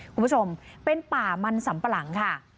คุณผู้ชมเป็นป่ามันสำปะหลังค่ะ